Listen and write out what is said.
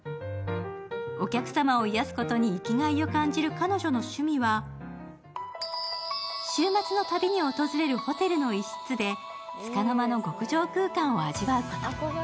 お客様を癒やすことに生きがいを感じる彼女の趣味は、週末の旅に訪れるホテルの一室でつかの間の極上空間を過ごすこと。